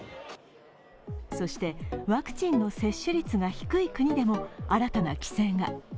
そしてワクチンの接種率が低い国でも新たな規制が。